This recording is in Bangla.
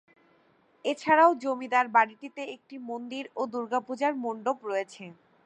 এছাড়াও জমিদার বাড়িটিতে একটি মন্দির ও দুর্গাপূজার মণ্ডপ রয়েছে।